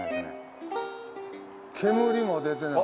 煙も出てない。